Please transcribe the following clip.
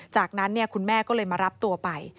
จากนั้นคุณแม่ก็เลยมารับตัวไป